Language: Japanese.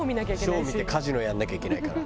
ショー見てカジノやんなきゃいけないから。